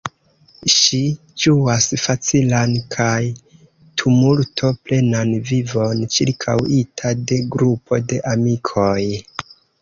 Ŝi ĝuas facilan kaj tumulto-plenan vivon, ĉirkaŭita de grupo de amikoj.